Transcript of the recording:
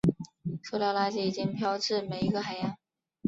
塑料垃圾已经飘至每一个海洋。